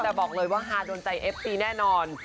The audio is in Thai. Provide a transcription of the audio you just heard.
แต่บอกเลยว่าฮาโดนใจเอฟซีแน่นอน